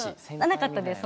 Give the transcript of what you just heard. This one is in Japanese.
なかったです